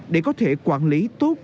để có thể quản lý tốt